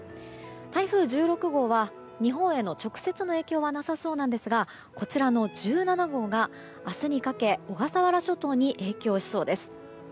台風１６号は日本への直接的な影響はなさそうなんですが１７号が、明日にかけ小笠原諸島に影響しそうです。